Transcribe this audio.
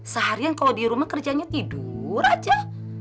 seharian kalau di rumah kerjanya tidur aja